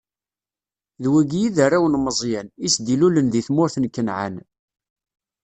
D wigi i d arraw n Meẓyan, i s-d-ilulen di tmurt n Kanɛan.